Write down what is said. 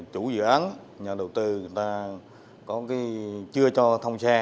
chủ dự án nhận đầu tư là chưa cho thông xe